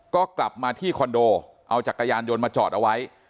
ก็กลับมาที่คอนโดเอาจักรยานยนต์มาจอดเอาไว้